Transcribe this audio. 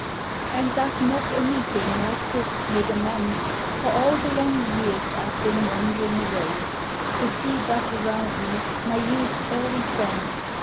And doth not a meeting like this make amends For all the long years I 've been wand'ring away— To see thus around me my youth's early friends.